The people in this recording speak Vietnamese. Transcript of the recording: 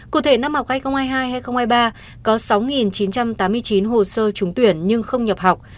cụ thể năm học hai nghìn hai mươi hai hai nghìn hai mươi ba có sáu chín trăm tám mươi chín hồ sơ trúng tuyển nhưng không nhập học